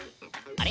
あれ？